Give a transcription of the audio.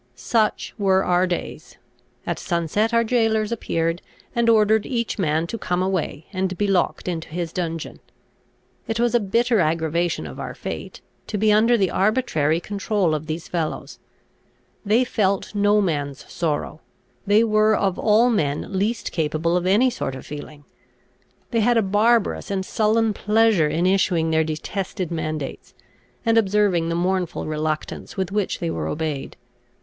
Such were our days. At sunset our jailors appeared, and ordered each man to come away, and be locked into his dungeon. It was a bitter aggravation of our fate, to be under the arbitrary control of these fellows. They felt no man's sorrow; they were of all men least capable of any sort of feeling. They had a barbarous and sullen pleasure in issuing their detested mandates, and observing the mournful reluctance with which they were obeyed.